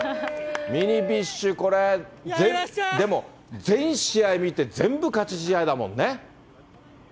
ミニビッシュ、これ、でも全試合見て、全部勝ち試合だもんね。